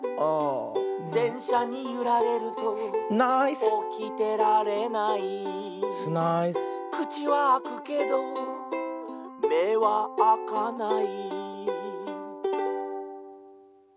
「でんしゃにゆられるとおきてられない」「くちはあくけどめはあかない」